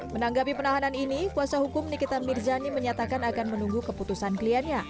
menanggapi penahanan ini kuasa hukum nikita mirzani menyatakan akan menunggu keputusan kliennya